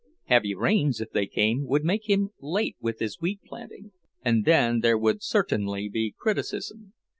Heavy rains, if they came, would make him late with his wheat planting, and then there would certainly be criticism.